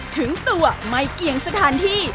ถึงตัวไม่เกี่ยงสถานที่